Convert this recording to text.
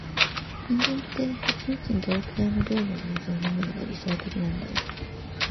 人間って、一日にどれくらいの量の水を飲むのが理想的なんだろう。